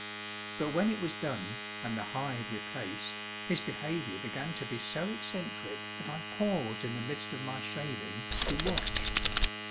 But when it was done, and the hive replaced, his behaviour began to be so eccentric that I paused in the midst of my shaving, to watch.